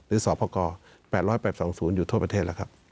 หรือสพก๘๘๒ศูนย์อยู่ทั่วประเทศ